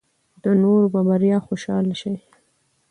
د نورو په بریا خوشحاله شئ.